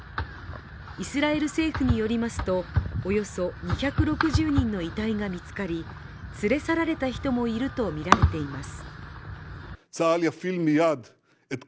イスラエル政府によりますとおよそ２６０人の遺体が見つかり連れ去られた人もいるとみられています。